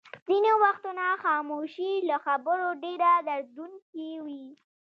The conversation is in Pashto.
ځینې وختونه خاموشي له خبرو ډېره دردوونکې وي.